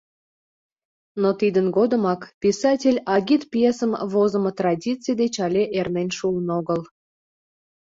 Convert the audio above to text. Но тидын годымак писатель агитпьесым возымо традиций деч але эрнен шуын огыл.